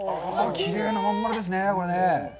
きれいな真ん丸ですね、これね。